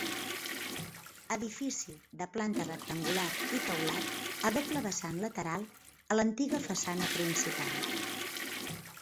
Edifici de planta rectangular i teulat a doble vessant lateral a l'antiga façana principal.